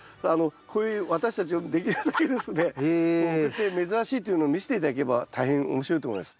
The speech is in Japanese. こういう私たちにできるだけですね送って珍しいというのを見せて頂ければ大変面白いと思います。